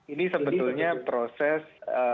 ini sebetulnya proses